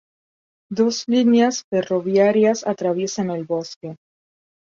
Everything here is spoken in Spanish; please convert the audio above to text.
Dos líneas ferroviarias atraviesan el bosque.